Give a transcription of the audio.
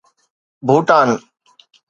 Bhutan